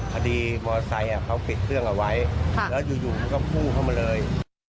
คดีมอเตอร์ไซค์เขาปิดเครื่องเอาไว้แล้วอยู่มันก็พุ่งเข้ามาเลย